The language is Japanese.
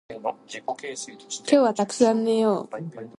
今日はたくさん寝よう